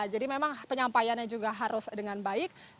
jadi memang penyampaiannya juga harus dengan baik